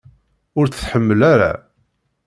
Ur tt-tḥemmel ara?